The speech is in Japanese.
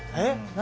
何？